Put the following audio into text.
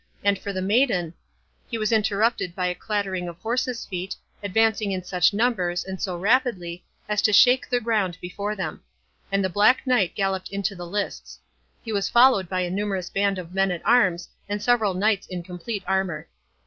—And for the maiden—" He was interrupted by a clattering of horses' feet, advancing in such numbers, and so rapidly, as to shake the ground before them; and the Black Knight galloped into the lists. He was followed by a numerous band of men at arms, and several knights in complete armour.